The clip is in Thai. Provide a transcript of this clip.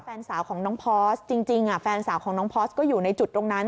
แฟนสาวของน้องพอร์สจริงแฟนสาวของน้องพอร์สก็อยู่ในจุดตรงนั้น